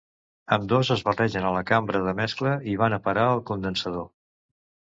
Ambdós es barregen a la cambra de mescla i van a parar al condensador.